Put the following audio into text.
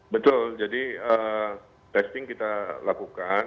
betul jadi testing kita lakukan